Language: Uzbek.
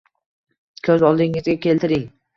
Ko'z oldingizga keltiring!